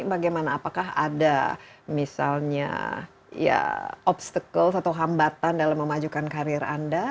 bagaimana apakah ada misalnya ya obstacles atau hambatan dalam memajukan karir anda